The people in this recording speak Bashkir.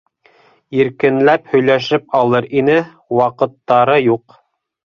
Иркенләп һөйләшеп алыр ине - ваҡыттары юҡ.